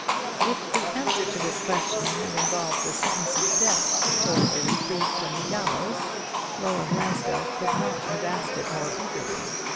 If the answer to this question had involved a sentence of death, or a reprieve from the gallows, Roland Lansdell could not have asked it more eagerly.